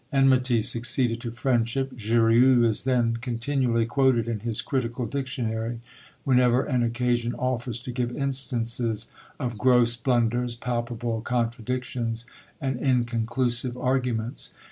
Enmity succeeded to friendship; Jurieu is then continually quoted in his "Critical Dictionary," whenever an occasion offers to give instances of gross blunders, palpable contradictions, and inconclusive arguments.